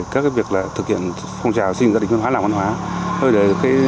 các việc thực hiện phong trào xây dựng gia đình văn hóa làng văn hóa